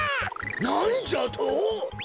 なんじゃと！？